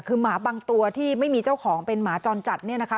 คือหมาบางตัวที่ไม่มีเจ้าของเป็นหมาจรจัดเนี่ยนะคะ